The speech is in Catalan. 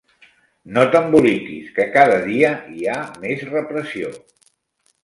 No t'emboliquis, que cada dia hi ha més repressió!